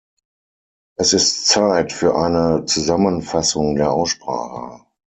Es ist Zeit für eine Zusammenfassung der Aussprache.